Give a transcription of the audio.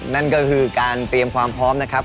นั่นก็คือการเตรียมความพร้อมนะครับ